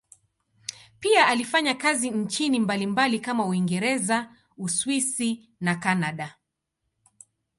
Pia alifanya kazi nchini mbalimbali kama Uingereza, Uswisi na Kanada.